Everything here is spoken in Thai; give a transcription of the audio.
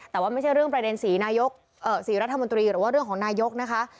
แต่ว่าไม่ใช่เรื่องประเด็นสีนายกสีรัฐมนตรีหรือว่าเรื่องของนายกนะคะ